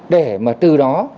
để mà từ đó